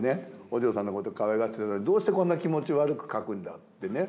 お嬢さんのことかわいがってたのにどうしてこんな気持ち悪く描くんだってね